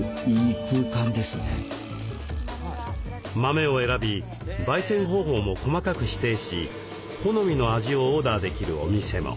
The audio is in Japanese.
豆を選びばい煎方法も細かく指定し好みの味をオーダーできるお店も。